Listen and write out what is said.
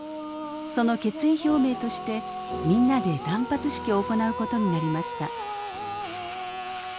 その決意表明としてみんなで断髪式を行うことになりました。